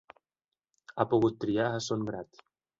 Ha pogut triar a son grat.